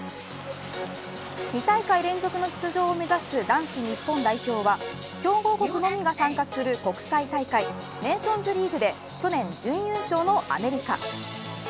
２大会連続の出場を目指す男子日本代表は強豪国のみが参加する国際大会ネーションズリーグで去年、準優勝のアメリカ。